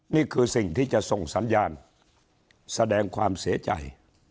นี่คือสิ่งที่จะส่งสัญญาณแสดงความเสียใจ